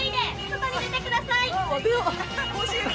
外に出てください！